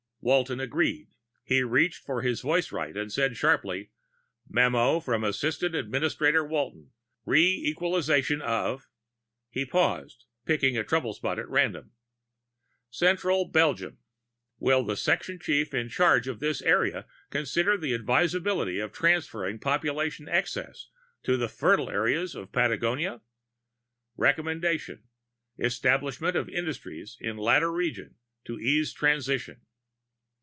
_ Walton agreed. He reached for his voicewrite and said sharply, "Memo from Assistant Administrator Walton, re equalization of ..." He paused, picking a trouble spot at random, "... central Belgium. Will the section chief in charge of this area please consider the advisability of transferring population excess to fertile areas in Patagonia? Recommendation: establishment of industries in latter region, to ease transition."